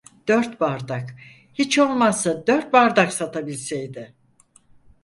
Dört bardak, hiç olmazsa dört bardak satabilseydi.